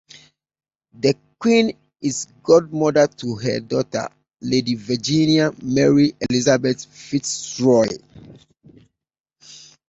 The Queen is godmother to her daughter, Lady Virginia Mary Elizabeth FitzRoy.